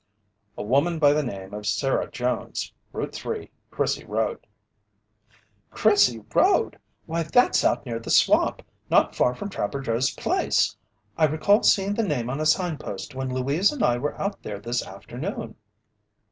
"A woman by the name of Sarah Jones, Route 3, Crissey Road. "Crissey Road! Why, that's out near the swamp, not far from Trapper Joe's place! I recall seeing the name on a signpost when Louise and I were out there this afternoon."